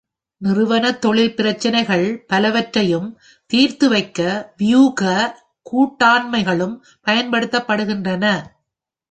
நிறுவன தொழில் பிரச்சினைகள் பலவற்றையும் தீர்த்துவைக்க வியூக கூட்டாண்மைகளும் பயன்படுத்தப்படுகின்றன.